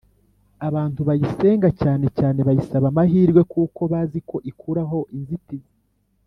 abantu bayisenga cyane cyane bayisaba amahirwe, kuko bazi ko ikuraho inzitizi